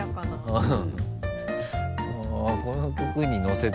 うん。